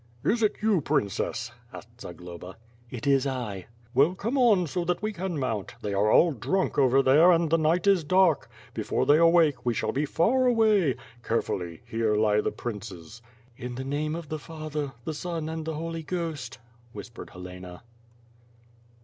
"Is it you, Princess?" asked Zagloba. "It is I." "Well, come on, so that we can mount. They are all drunk over there and the night is dark. Before they awake we shall be far away. Carefully, here lie the princes." "In the name of the Father, the Son, and the Holy Ghost," whispered Helena.